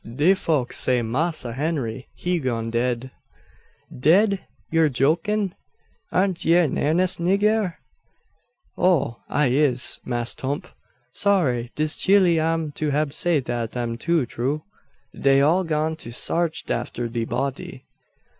de folks say Massa Henry he gone dead." "Dead! Yur jokin'? Air ye in airnest, nigger?" "Oh! I is, Mass' 'Tump. Sorry dis chile am to hab say dat am too troo. Dey all gone to sarch atter de body."